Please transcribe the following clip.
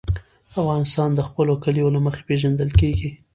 افغانستان د خپلو کلیو له مخې پېژندل کېږي.